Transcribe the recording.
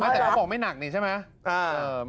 แต่เขาบอกไม่หนักนี่ใช่ไหม